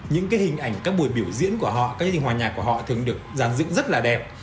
những hình ảnh các buổi biểu diễn của họ các hình hòa nhạc của họ thường được giàn dựng rất đẹp